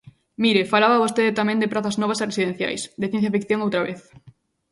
Mire, falaba vostede tamén de prazas novas e residenciais, de ciencia ficción outra vez.